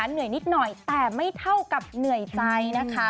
เหนื่อยนิดหน่อยแต่ไม่เท่ากับเหนื่อยใจนะคะ